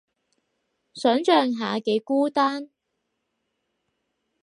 想像下幾孤單